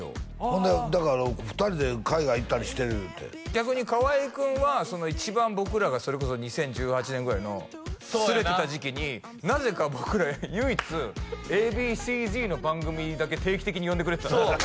ほんでだから２人で海外行ったりしてるいうて逆に河合君は一番僕らがそれこそ２０１８年ぐらいのすれてた時期になぜか僕ら唯一Ａ．Ｂ．Ｃ−Ｚの番組にだけ定期的に呼んでくれてたんですよ